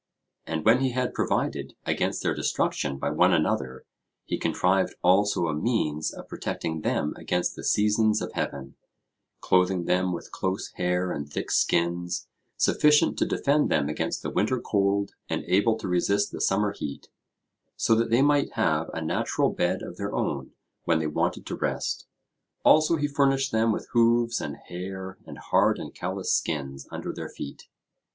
And when he had provided against their destruction by one another, he contrived also a means of protecting them against the seasons of heaven; clothing them with close hair and thick skins sufficient to defend them against the winter cold and able to resist the summer heat, so that they might have a natural bed of their own when they wanted to rest; also he furnished them with hoofs and hair and hard and callous skins under their feet.